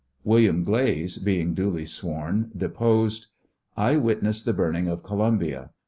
8 William Glaze., being duly sworn, deposed: I witnessed the burning of Columbia.